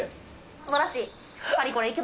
すばらしい。